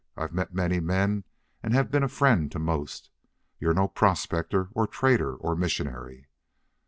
I've met many men and have been a friend to most.... You're no prospector or trader or missionary?"